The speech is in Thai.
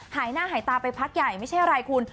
หายหน้าหายตาไปพักใหญ่ไม่ใช่อะไรคุณ